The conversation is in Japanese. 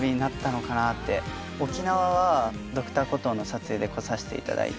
沖縄は『Ｄｒ．コトー』の撮影で来させていただいて。